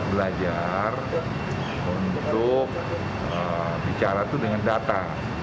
belajar untuk bicara itu dengan data